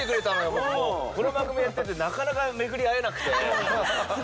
僕もうこの番組やっててなかなか巡り合えなくて。